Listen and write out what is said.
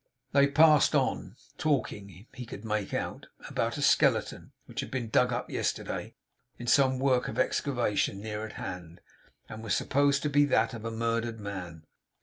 They passed on, talking (he could make out) about a skeleton which had been dug up yesterday, in some work of excavation near at hand, and was supposed to be that of a murdered man.